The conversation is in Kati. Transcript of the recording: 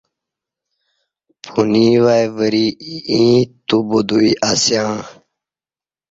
پنوی وای وری ییں توبدویو اسیاں